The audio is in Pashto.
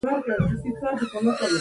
یوسلاوپینځهپنځوس میلیونه یې وچه ده.